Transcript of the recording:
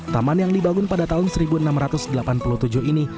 taman yang dibangun pada tahun seribu enam ratus delapan puluh tujuh ini